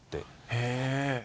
へえ。